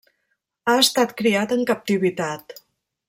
Ha estat criat en captivitat.